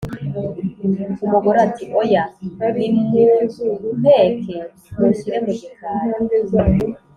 Umugore ati: "Oya nimumpeke munshyire mu gikari."